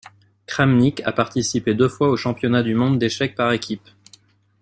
Kramnik a participé deux fois au championnat du monde d'échecs par équipe.